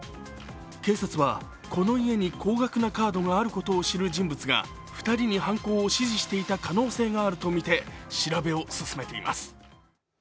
警察は、この家に高額なカードがあることを知る人物が２人に犯行を指示していた可能性があるとみて調べを進めています。